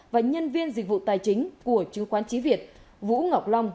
và nhân viên dịch vụ tài chính của chứng khoán chí việt vũ ngọc long